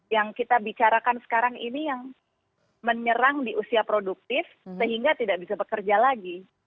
yang kita bicarakan sekarang ini yang menyerang di usia produktif sehingga tidak bisa bekerja lagi